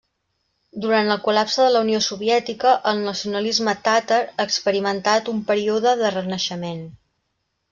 Durant el col·lapse de la Unió Soviètica el nacionalisme tàtar experimentat un període de renaixement.